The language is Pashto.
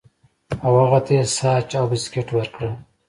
او هغه ته یې ساسج او بسکټ ورکړل